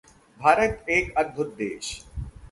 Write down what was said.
भारत एक अद्भुत देश है